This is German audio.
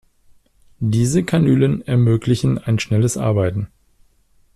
Diese Kanülen ermöglichen ein schnelles Arbeiten.